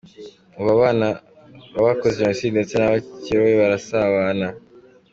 Ubu, abana b’abakoze Jenocide ndetse n’abayikorewe barasabana.